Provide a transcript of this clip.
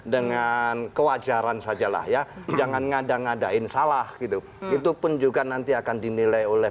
dengan kewajaran sajalah ya jangan ngada ngadain salah gitu itu pun juga nanti akan dinilai oleh